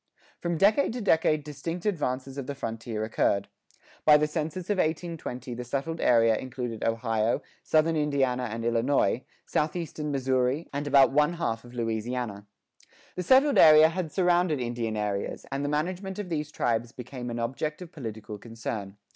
From decade to decade distinct advances of the frontier occurred. By the census of 1820[6:2] the settled area included Ohio, southern Indiana and Illinois, southeastern Missouri, and about one half of Louisiana. This settled area had surrounded Indian areas, and the management of these tribes became an object of political concern.